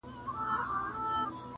• له تېغونو به سرې ويني راڅڅېږي -